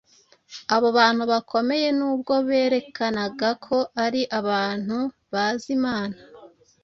Abo bantu bakomeye n’ubwo berekanaga ko ari abantu bazi Imana,